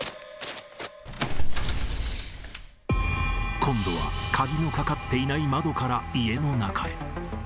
今度は鍵のかかっていない窓から家の中へ。